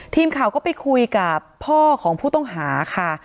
ทีมข่าวก็ไปคุยกับพ่อของผู้ต้องหาค่ะ